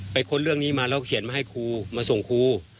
ค้นเรื่องนี้มาแล้วเขียนมาให้ครูมาส่งครู